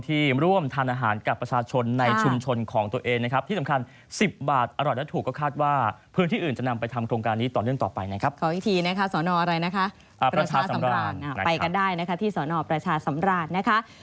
เศษฐาโซรินข่าวธรรมดาทีวีรายงาน